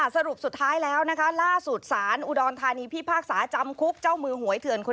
สรุปสุดท้ายแล้วนะคะล่าสุดสารอุดรธานีพิพากษาจำคุกเจ้ามือหวยเถื่อนคน